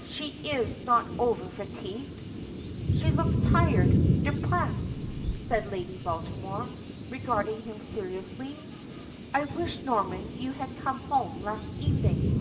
"She is not over fatigued?" "She looks tired! depressed!" says Lady Baltimore, regarding him seriously. "I wish, Norman, you had come home last evening."